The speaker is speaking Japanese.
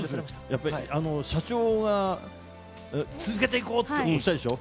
やっぱりね、社長が続けていこうって言ったでしょ。